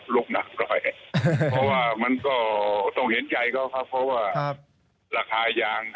ลุกหนักหน่อยมันต้องเห็นใจเขาเพราะว่าราคาอย่าง